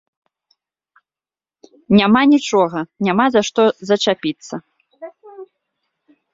Няма нічога, няма за што зачапіцца.